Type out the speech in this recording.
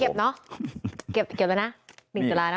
เก็บเนาะเก็บแล้วนะ๑จรานะ